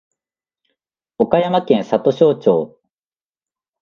岡山県里庄町